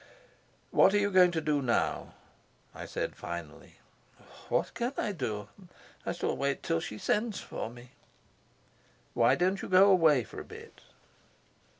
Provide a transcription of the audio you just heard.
"What are you going to do now?" I said finally. "What can I do? I shall wait till she sends for me." "Why don't you go away for a bit?"